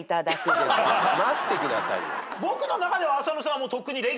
僕の中では。